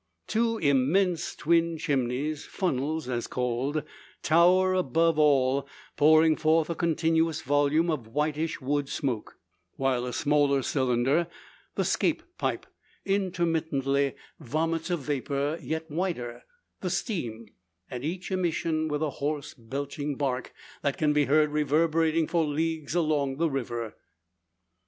Two immense twin chimneys "funnels" as called tower above all, pouring forth a continuous volume of whitish wood smoke; while a smaller cylinder the "scape pipe" intermittently vomits a vapour yet whiter, the steam; at each emission with a hoarse belching bark, that can be heard reverberating for leagues along the river.